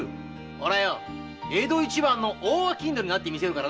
俺は江戸一番の大商人になってみせるからな。